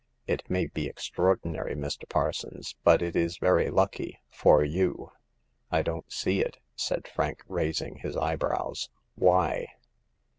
" It may be extraordinary, Mr. Parsons, but it is very lucky — for you.'* I don't see it,'' said Frank, raising his eye brows. '' Why."